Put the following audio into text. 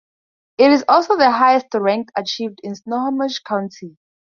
It is also the highest rank achieved in Snohomish County.